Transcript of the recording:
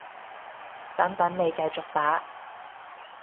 等等，你繼續打